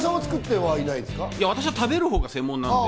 私は食べるほうが専門なので。